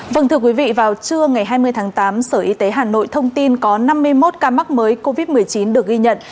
vâng thưa quý vị vào trưa ngày hai mươi tháng tám sở y tế hà nội thông tin có năm mươi một ca mắc mới covid một mươi chín được ghi nhận